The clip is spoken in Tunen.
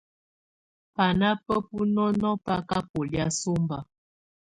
Bána bá bunɔnɔ̀ bà ka bɔlɛ̀á sɔmba.